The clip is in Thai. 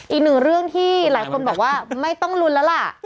อีกหนึ่งเรื่องที่หลายคนบอกว่าไม่ต้องลุ้นแล้วล่ะ